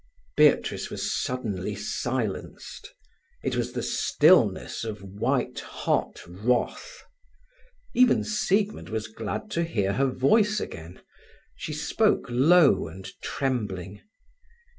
Beatrice was suddenly silenced. It was the stillness of white hot wrath. Even Siegmund was glad to hear her voice again. She spoke low and trembling.